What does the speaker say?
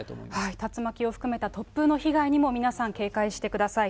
竜巻を含めた突風の被害にも皆さん、警戒してください。